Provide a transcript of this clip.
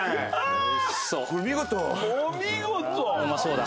お見事！